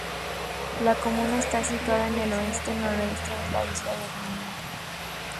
La comuna está situada en el oeste-noroeste de la isla de Reunión.